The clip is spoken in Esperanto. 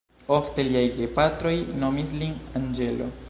Ofte liaj gepatroj nomis lin anĝelo.